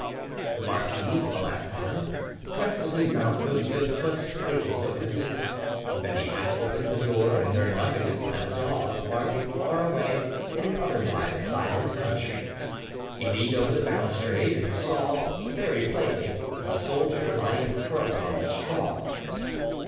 The marquis for the last time pressed with his mouth those lips but lately so innocent, then he half opened the door, and heard nothing this time but dogs barking far away in an otherwise silent country. He leaned over the balustrade, and saw: very plainly a soldier lying prone on the straw.